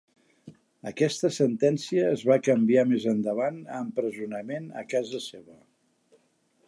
Aquesta sentència es va canviar més endavant a empresonament a casa seva.